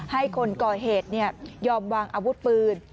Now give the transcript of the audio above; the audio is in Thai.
ให้คนก่อเหตุยอมวางอาวุธปืน